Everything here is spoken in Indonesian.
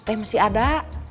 eh masih ada